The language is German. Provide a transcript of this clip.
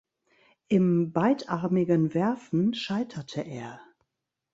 Im beidarmigen Werfen scheiterte er.